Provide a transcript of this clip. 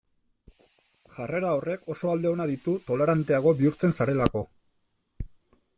Jarrera horrek oso alde onak ditu toleranteago bihurtzen zarelako.